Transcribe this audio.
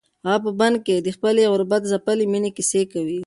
هغه په بن کې د خپلې غربت ځپلې مېنې کیسه کوي.